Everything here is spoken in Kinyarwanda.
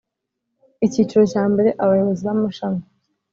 Icyiciro cya mbere Abayobozi b amashami